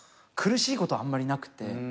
苦しいことあんまりなくて。